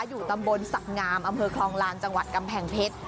อยู่ตำบลศักดิ์งามอำเภอคลองลานจังหวัดกำแพงเพชร